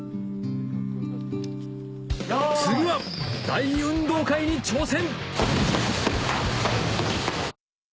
次は大運動会に挑戦